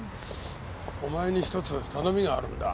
お前に一つ頼みがあるんだ。